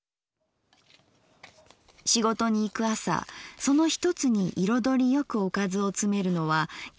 仕事に行く朝その一つに彩りよくおかずをつめるのは結構楽しい。